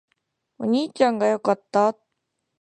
お兄ちゃんが良かった